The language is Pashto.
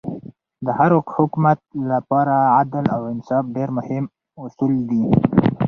د هر حکومت له پاره عدل او انصاف ډېر مهم اصول دي.